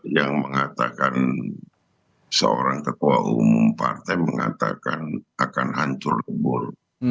yang mengatakan seorang ketua umum partai mengatakan akan hancur lembur